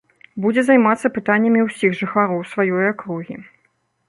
Будзе займацца пытаннямі ўсіх жыхароў сваёй акругі.